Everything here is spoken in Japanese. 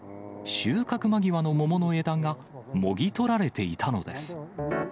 収穫間際の桃の枝がもぎ取られていたのです。